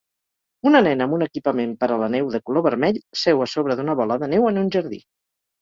Una nena amb un equipament per a la neu de color vermell seu a sobre d'una bola de neu en un jardí.